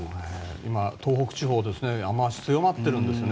今、東北地方雨脚強まっているんですよね。